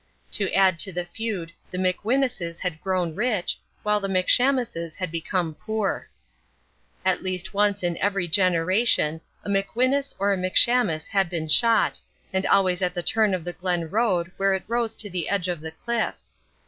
To add to the feud the McWhinuses had grown rich, while the McShamuses had become poor. At least once in every generation a McWhinus or a McShamus had been shot, and always at the turn of the Glen road where it rose to the edge of the cliff.